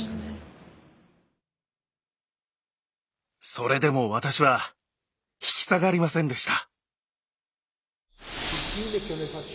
それでも私は引き下がりませんでした。